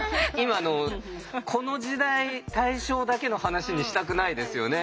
この時代大正だけの話にしたくないですよね。